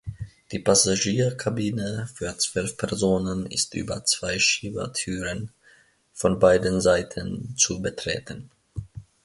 Die Passagierkabine für zwölf Personen ist über zwei Schiebetüren von beiden Seiten zu betreten.